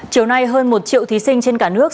chiều nay hơn một triệu thí sinh trên cả nước